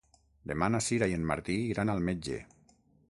Demà na Sira i en Martí iran al metge.